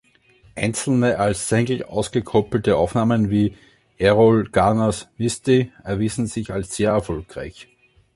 Einzelne als Single ausgekoppelte Aufnahmen wie Erroll Garners "Misty" erwiesen sich als sehr erfolgreich.